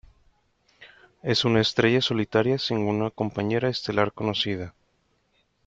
Es una estrella solitaria sin ninguna compañera estelar conocida.